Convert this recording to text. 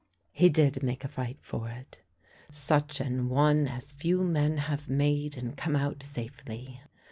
He did make a fight for it, such an one as few men have made and come out safely.